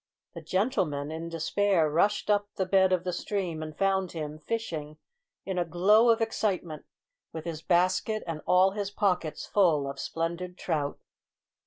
The gentlemen, in despair, rushed up the bed of the stream, and found him fishing, in a glow of excitement, with his basket and all his pockets full of splendid trout.